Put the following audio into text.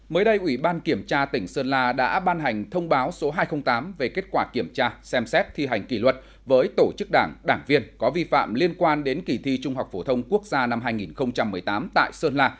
mới đây ủy ban kiểm tra tỉnh sơn la đã ban hành thông báo số hai trăm linh tám về kết quả kiểm tra xem xét thi hành kỷ luật với tổ chức đảng đảng viên có vi phạm liên quan đến kỳ thi trung học phổ thông quốc gia năm hai nghìn một mươi tám tại sơn la